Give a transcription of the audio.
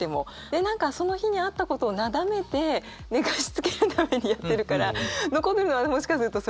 で何かその日にあったことをなだめて寝かしつけるためにやってるから残るのはもしかするとそれぐらいで。